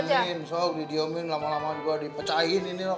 di diamin soh di diamin lama lama juga di pecahin ini lah